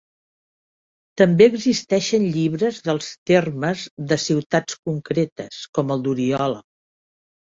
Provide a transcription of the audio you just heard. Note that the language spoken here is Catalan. També existeixen llibres dels termes de ciutats concretes, com el d’Oriola.